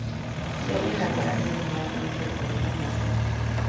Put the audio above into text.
Suele elaborarse además con "pecorino" y anchoas.